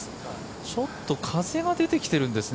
ちょっと風が出てきているんですね